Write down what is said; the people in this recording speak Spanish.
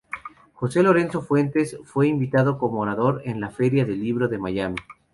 Jose Lorenzo fuentes fue invitado como orador en la Feria del Libro de Miami.